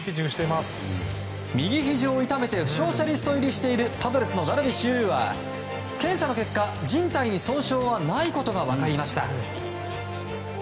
右ひじを痛めて負傷者リスト入りしているパドレスのダルビッシュ有は検査の結果じん帯に損傷はないことが分かりました。